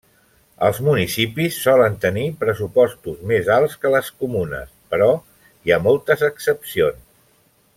Els municipis solen tenir pressupostos més alts que les comunes, però hi ha moltes excepcions.